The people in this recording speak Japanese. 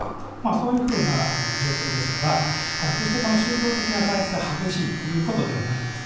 そういうふうな状況ですから決して宗教的な対立が激しいというわけではないんです。